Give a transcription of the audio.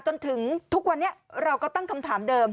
จนถึงทุกวันนี้เราก็ตั้งคำถามเดิม